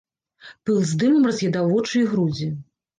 Пыл з дымам раз'ядаў вочы і грудзі.